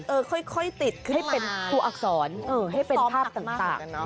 เออค่อยติดให้เป็นตัวอักษรให้เป็นภาพต่าง